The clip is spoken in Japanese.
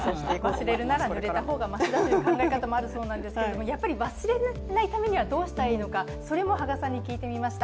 忘れるなら、ぬれた方がマシだという考え方もあるようなんですが、やっぱり忘れないためにはどうしたらいいのか、それも芳賀さんに聞いてみました。